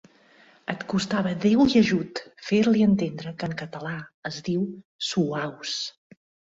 Et costava déu i ajut fer-li entendre que en català es diu suaus.